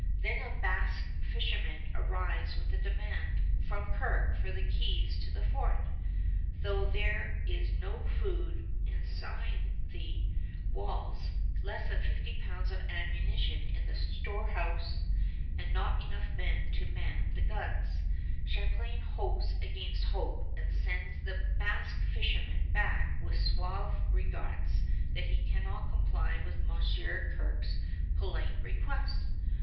Then a Basque fisherman arrives with a demand, from Kirke for the keys to the fort. Though there is no food inside the walls, less than fifty pounds of ammunition in the storehouse, and not enough men to man the guns, Champlain hopes against hope, and sends the Basque fisherman back with suave regrets that he cannot comply with Monsieur Kirke's polite request.